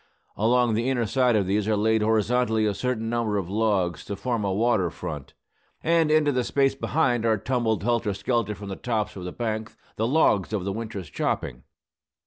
Along the inner side of these are laid horizontally a certain number of logs, to form a water front; and into the space behind are tumbled helter skelter from the tops of the bank the logs of the winter's chopping.